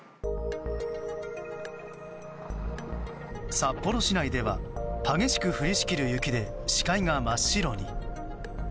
札幌市内では激しく降りしきる雪で視界が真っ白に。